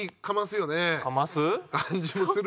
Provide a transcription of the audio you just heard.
かます？